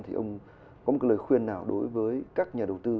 thì ông có một lời khuyên nào đối với các nhà đầu tư